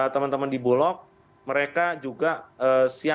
teman teman di bulog mereka juga siap untuk melakukan stabilisasi